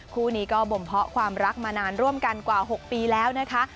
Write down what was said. คู่นี้ก็บ่มเพาะความรักมานานร่วมกันกว่า๖ปีแล้วนะคะ